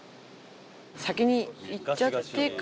先に行っちゃってから？